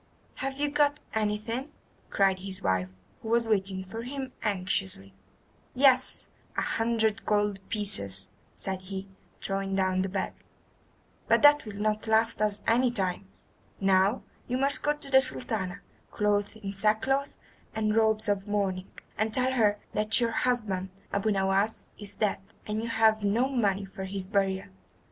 "Have you got anything?" cried his wife, who was waiting for him anxiously. "Yes, a hundred gold pieces," said he, throwing down the bag, "but that will not last us any time. Now you must go to the Sultana, clothed in sackcloth and robes of mourning, and tell her that your husband, Abu Nowas, is dead, and you have no money for his burial.